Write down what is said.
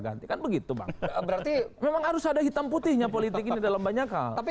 ganti kan begitu bang berarti memang harus ada hitam putihnya politik ini dalam banyak hal tapi